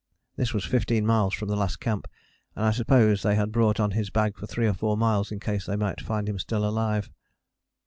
This was fifteen miles from the last camp, and I suppose they had brought on his bag for three or four miles in case they might find him still alive.